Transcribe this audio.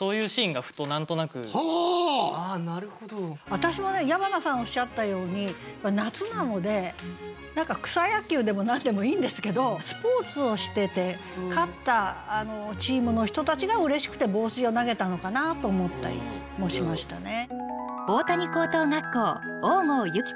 私もね矢花さんおっしゃったように夏なので何か草野球でも何でもいいんですけどスポーツをしてて勝ったチームの人たちが嬉しくて帽子を投げたのかなと思ったりもしましたね。